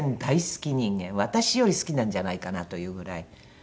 私より好きなんじゃないかなというぐらい。